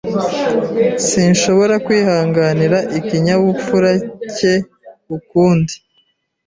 Sinshobora kwihanganira ikinyabupfura cye ukundi.